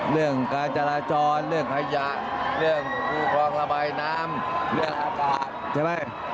เรื่องการจาราจรเรื่องไขยะเรื่องความระบายน้ำเรื่องอากาศ